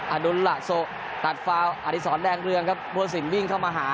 ะดูลล่ะโช๊กตัดความอาทิศรแรงเรืองครับปวดศิลป์วิ่งเข้ามาหา